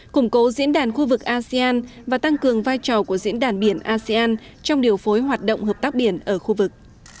củng cố diễn đàn khu vực asean và tăng cường vai trò của diễn đàn biển asean trong điều phối hoạt động hợp tác biển ở khu vực